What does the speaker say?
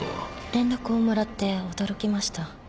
連絡をもらって驚きました。